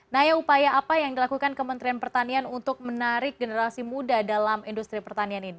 naya upaya apa yang dilakukan kementerian pertanian untuk menarik generasi muda dalam industri pertanian ini